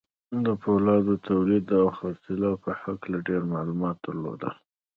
د پولادو د توليد او خرڅلاو په هکله ډېر معلومات درلودل.